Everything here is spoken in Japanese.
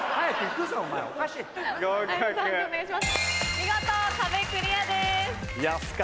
見事壁クリアです。